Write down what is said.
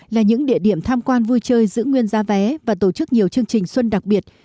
là những địa điểm tham quan vui chơi giữ nguyên giá vé và tổ chức nhiều chương trình xuân đặc biệt